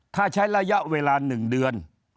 ถ้าใช้ระยะเวลา๑เดือน